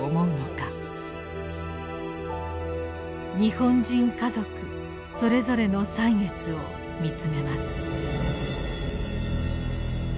日本人家族それぞれの歳月を見つめます。